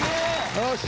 よし！